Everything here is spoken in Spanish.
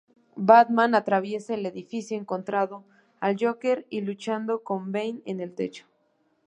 Batman atraviesa el edificio, encontrando al Joker y luchando con Bane en el techo.